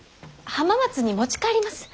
浜松に持ち帰ります。